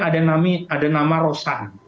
ada nama roslani